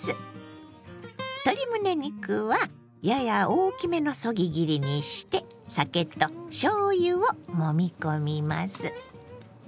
鶏むね肉はやや大きめのそぎ切りにして酒としょうゆをもみ込みます。